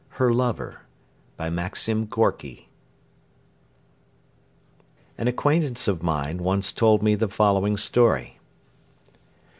HER LOVER BY MAXIM GORKY An acquaintance of mine once told me the following story.